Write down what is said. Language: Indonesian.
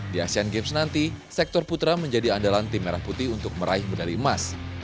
di asean games nanti sektor putra menjadi andalan tim merah putih untuk meraih medali emas